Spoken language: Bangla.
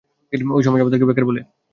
এই সমাজ আমাদেরকে বেকার বলে, ধুরে ঠেলে দিতো।